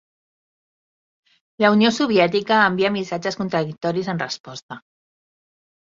La Unió Soviètica envia missatges contradictoris en resposta.